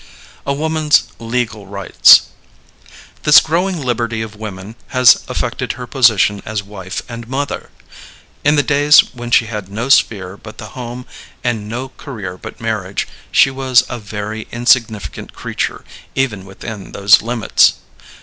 A WOMAN'S LEGAL RIGHTS. This growing liberty of women has affected her position as wife and mother. In the days when she had no sphere but the home and no career but marriage, she was a very insignificant creature even within those limits.